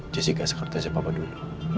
jessy gak sekerti si papa dulu